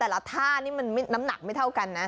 แต่ละท่านี่มันน้ำหนักไม่เท่ากันนะ